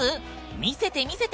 見せて見せて！